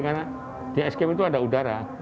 karena di escape itu ada udara